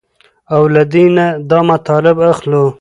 او له دې نه دا مطلب اخلو